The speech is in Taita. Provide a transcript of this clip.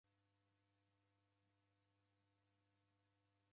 Fuw'e rangia ghadi